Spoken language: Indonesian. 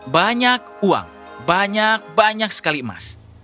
banyak uang banyak banyak sekali emas